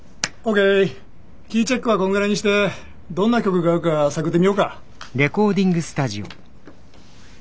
キーチェックはこんぐらいにしてどんな曲が合うか探ってみようか。